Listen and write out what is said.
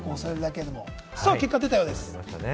結果が出たようです。